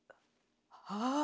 ああ！